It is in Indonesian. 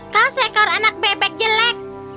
kau seekor anak bebek jelek